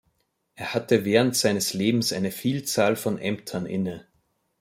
Er hatte während seines Lebens eine Vielzahl von Ämtern inne.